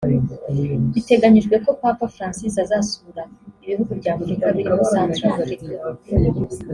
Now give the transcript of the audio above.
Biteganyijwe ko Papa Francis azasura ibihugu bya Afurika birimo Centrafrika